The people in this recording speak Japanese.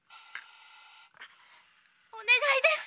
お願いです。